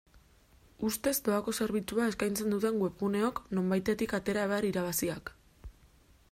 Ustez doako zerbitzua eskaitzen duten webguneok nonbaitetik atera behar irabaziak.